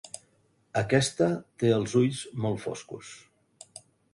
Aquesta té els ulls molt foscos.